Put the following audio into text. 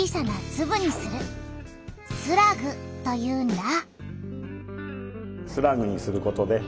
「スラグ」というんだ。